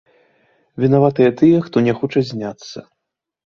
Вінаваты тыя, хто не хоча зняцца.